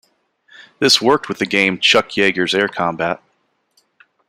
This worked with the game "Chuck Yeager's Air Combat".